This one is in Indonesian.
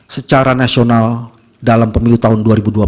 secara nasional dalam pemilu tahun dua ribu dua puluh empat